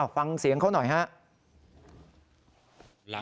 ฟังเสียงเขาหน่อยฮะ